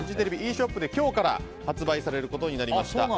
ショップで今日から発売されることになりました。